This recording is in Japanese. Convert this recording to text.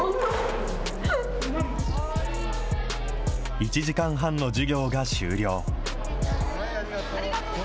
１時間半の授業が終了。